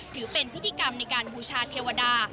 ถือเป็นพิธีกรรมในการบูชาเทวดา